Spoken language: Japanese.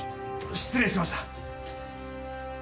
失礼しました。